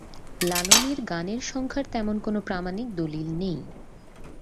লালনের গানের সংখ্যার তেমন কোন প্রামাণিক দলিল নেই।